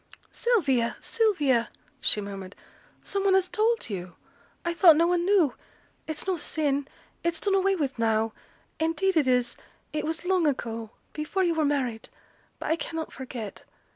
'Sylvia, Sylvia,' she murmured, 'some one has told you I thought no one knew it's no sin it's done away with now indeed it is it was long ago before yo' were married; but I cannot forget.